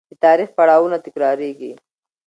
د تاریخ پړاوونه تکرارېږي.